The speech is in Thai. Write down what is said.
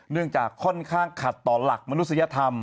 เนื่องจากค่อนข้างขัดต่อหลักมนุษยธรรม